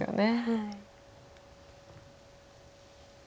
はい。